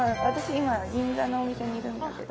今銀座のお店にいるんだけど。